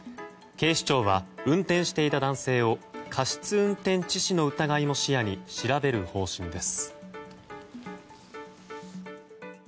警視庁は、運転していた男性を過失運転致死の疑いも視野に調べる方針です。